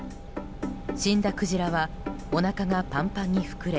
死んだクジラはおなかがパンパンに膨れ